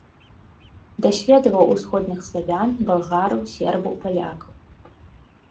Даследаваў усходніх славян, балгараў, сербаў, палякаў.